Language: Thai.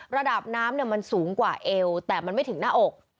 ระดับน้ำมันสูงกว่าเอวแต่มันไม่ถึงหน้าอก